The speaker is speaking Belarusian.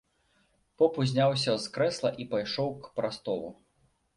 Поп узняўся з крэсла і пайшоў к прастолу.